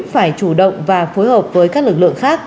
phải chủ động và phối hợp với các lực lượng khác